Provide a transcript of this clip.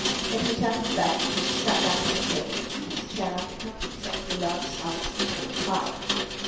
Then he turned his back on him, sat down to the table, drew his chair up, and helped himself to a large slice of cold pie.